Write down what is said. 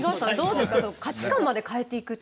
価値観まで変えていくと。